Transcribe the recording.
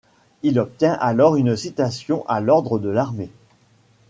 Il obtient alors une citation à l'ordre de l'armée.